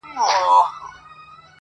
الاهو دي نازولي دي غوږونه؟!٫